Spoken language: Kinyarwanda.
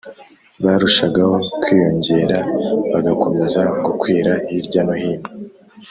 Barushagaho kwiyongera bagakomeza gukwira hirya no hino.